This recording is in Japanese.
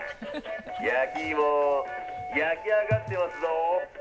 焼き芋焼き上がってますぞ！